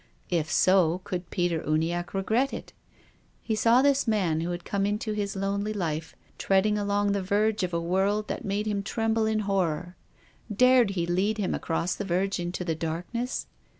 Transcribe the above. If so, could Peter Uniacke regret it? He saw this man who had come into his lonely life treading along the verge of a world that made him tremble in horror. Dared he lead him across the verge into the dark ness?